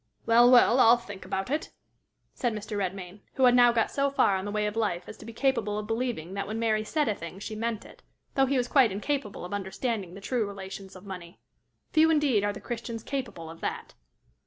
"Well, well! I'll think about it," said Mr. Redmain, who had now got so far on the way of life as to be capable of believing that when Mary said a thing she meant it, though he was quite incapable of understanding the true relations of money. Few indeed are the Christians capable of that!